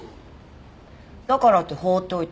だからって放っておいていいの？